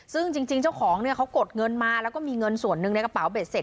ซึ่งจริงเจ้าของเนี่ยเขากดเงินมาแล้วก็มีเงินส่วนหนึ่งในกระเป๋าเบ็ดเสร็จ